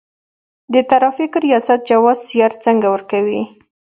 د ترافیکو ریاست جواز سیر څنګه ورکوي؟